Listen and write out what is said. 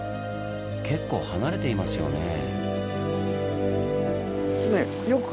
結構離れていますよねぇ。